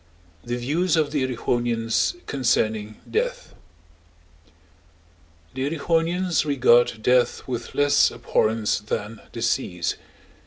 THE VIEWS OF THE EREWHONIANS CONCERNING DEATH The Erewhonians regard death with less abhorrence than disease.